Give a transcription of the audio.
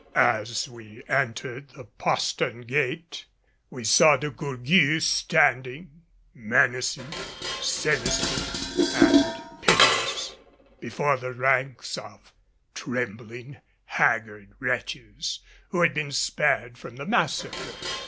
As we entered the postern gate we saw De Gourgues standing, menacing, sinister and pitiless, before the ranks of trembling, haggard wretches who had been spared from the massacre.